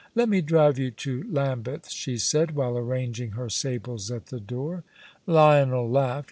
"Let me drive you to Lambeth," she said, while arranging her sables at the door. Lionel laughed.